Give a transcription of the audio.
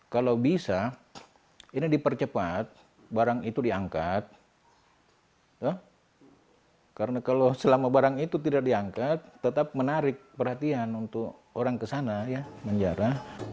kalau bisa ini dipercepat barang itu diangkat karena kalau selama barang itu tidak diangkat tetap menarik perhatian untuk orang kesana ya penjara